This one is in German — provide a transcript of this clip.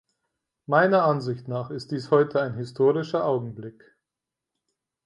Meiner Ansicht nach ist dies heute ein historischer Augenblick.